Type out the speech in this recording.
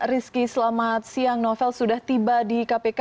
rizky selamat siang novel sudah tiba di kpk